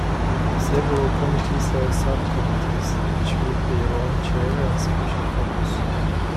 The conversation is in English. Several committees have subcommittees, each with their own chair and special focus.